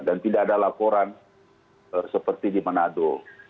dan tidak ada laporan seperti di manado